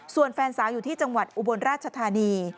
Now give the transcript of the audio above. ส่วนแฟนสาวอยู่ที่จังหวัดอุบลราชธานี